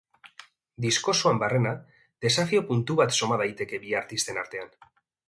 Disko osoan barrena desafio puntu bat soma daiteke bi artisten artean.